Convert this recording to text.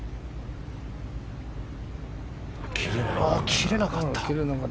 切れなかった。